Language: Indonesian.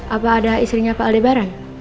apa ada istrinya pak aldebaran